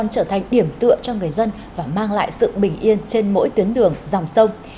trở thành điểm tựa cho người dân và mang lại sự bình yên trên mỗi tuyến đường dòng sông